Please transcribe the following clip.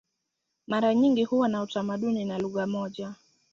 Mara nyingi huwa na utamaduni na lugha moja.